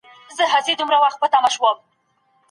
پانګه د اقتصادي پرمختګ عمده عامل نه دی.